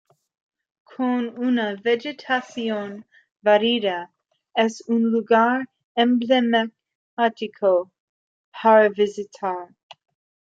Con una vegetación variada es un lugar emblemático para visitar.